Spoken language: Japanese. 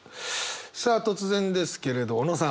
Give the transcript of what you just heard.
さあ突然ですけれど小野さん。